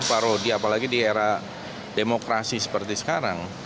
parodi apalagi di era demokrasi seperti sekarang